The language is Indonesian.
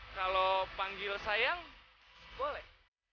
kalau panggil sayang boleh